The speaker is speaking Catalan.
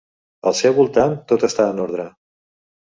Al seu voltant tot està en ordre.